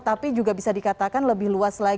tapi juga bisa dikatakan lebih luas lagi